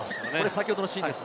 先ほどのシーンです。